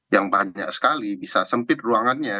yang banyak sekali bisa sempit ruangannya